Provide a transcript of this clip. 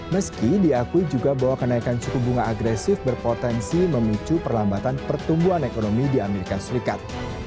meski diakui juga bahwa kenaikan suku bunga agresif berpotensi memicu perlambatan pertumbuhan ekonomi di amerika serikat